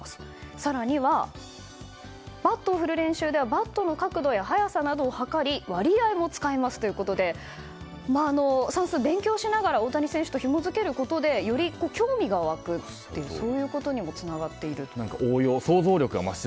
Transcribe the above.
更には、バットを振る練習ではバットの角度や速さなどを測り割合も使いますということで算数を勉強しながら大谷選手とひもづけることでより興味が湧くということにもつながっていると。